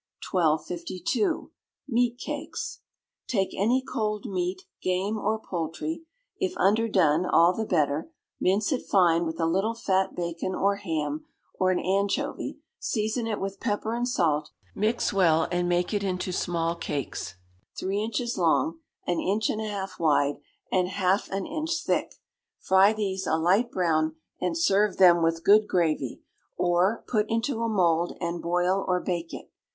1252. Meat Cakes. Take any cold meat, game, or poultry (if underdone, all the better), mince it fine, with a little fat bacon or ham, or an anchovy; season it with pepper and salt; mix well, and make it into small cakes three inches long, an inch and a half wide, and half an inch thick; fry these a light brown, and serve them with good gravy, or put into a mould, and boil or bake it.